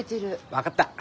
分かった。